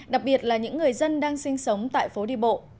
đặc biệt là những người dân đang sinh sống tại phố đi bộ